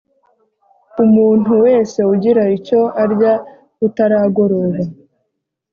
umuntu wese ugira icyo arya butaragoroba